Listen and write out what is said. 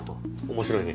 面白いね。